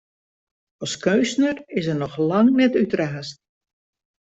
As keunstner is er noch lang net útraasd.